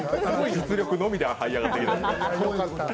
実力のみではい上がってきた。